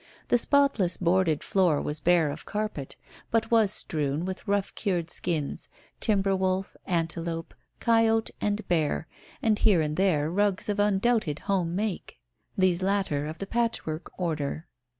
The spotless boarded floor was bare of carpet, but was strewn with rough cured skins, timber wolf, antelope, coyote and bear, and here and there rugs of undoubted home make; these latter of the patchwork order.